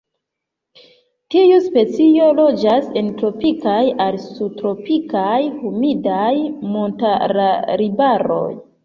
Tiu specio loĝas en tropikaj al subtropikaj, humidaj montararbaroj.